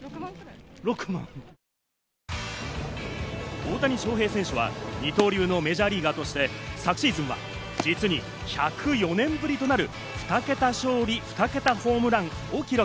大谷翔平選手は、二刀流のメジャーリーガーとして、昨シーズンは実に１０４年ぶりとなる２桁勝利、２桁ホームランを記録。